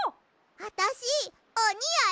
あたしおにやる！